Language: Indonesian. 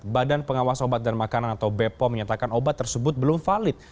badan pengawas obat dan makanan atau bepom menyatakan obat tersebut belum valid